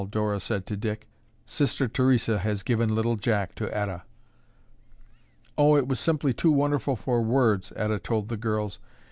Dora said to Dick. "Sister Theresa has given little Jack to Etta." "Oh, it was simply too wonderful for words," Etta told the girls.